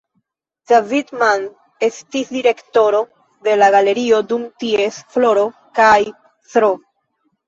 David Mann estis direktoro de la galerio dum ties floro kaj Sro.